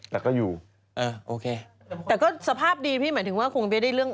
แต่ก็อยู่เออโอเคแต่ก็สภาพดีพี่หมายถึงว่าคงไม่ได้เรื่อง